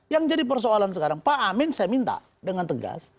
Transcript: yang jadi persoalan sekarang pak amin saya minta dengan tegas